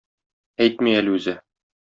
Әйтми әле үзе.